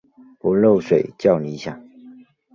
不漏水较理想。